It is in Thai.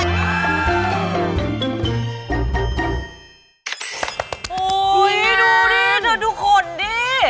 โอ้ยดูนี่นะทุกคนดิ